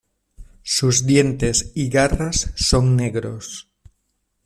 Sus dientes y garras son negros.